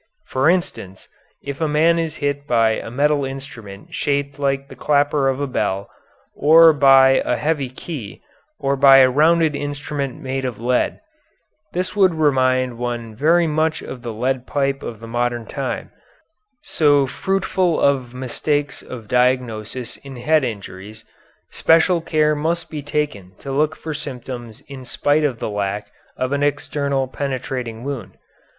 For instance, if a man is hit by a metal instrument shaped like the clapper of a bell or by a heavy key, or by a rounded instrument made of lead this would remind one very much of the lead pipe of the modern time, so fruitful of mistakes of diagnosis in head injuries special care must be taken to look for symptoms in spite of the lack of an external penetrating wound.